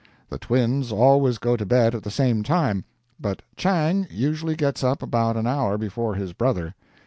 The Twins always go to bed at the same time; but Chang usually gets up about an hour before his brother.